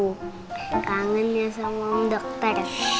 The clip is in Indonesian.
kangen ya sama dokter